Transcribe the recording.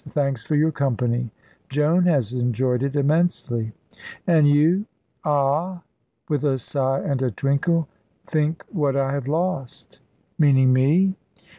"Thanks for your company. Joan has enjoyed it immensely." "And you?" "Ah!" with a sigh and a twinkle, "think what I have lost." "Meaning me?"